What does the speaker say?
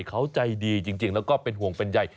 เขาใจดีจริงแล้วก็เป็นห่วงเป็นใย